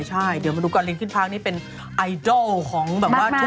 ใช่เดี๋ยวมาดูก่อนลิงขึ้นพักนี่เป็นไอดอลของแบบว่า